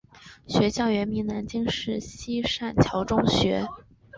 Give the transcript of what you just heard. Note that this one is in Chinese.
学校原名南京市西善桥中学。